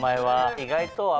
意外と。